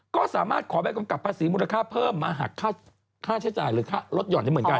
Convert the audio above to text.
ก็สามารถขอใบกำกับภาษีมูลค่าเพิ่มมาหักค่าใช้จ่ายหรือค่าลดห่อนได้เหมือนกัน